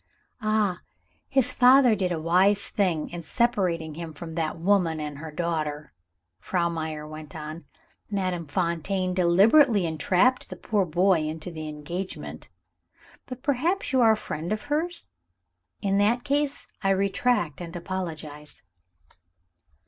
"Ah, his father did a wise thing in separating him from that woman and her daughter!" Frau Meyer went on. "Madame Fontaine deliberately entrapped the poor boy into the engagement. But perhaps you are a friend of hers? In that case, I retract and apologize."